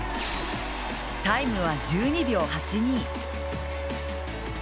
タイムは１２秒８２。